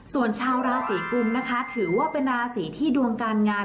ส่วนชาวราศีกุมนะคะถือว่าเป็นราศีที่ดวงการงาน